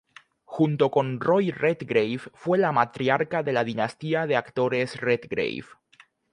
Junto con Roy Redgrave, fue la matriarca de la dinastía de actores Redgrave.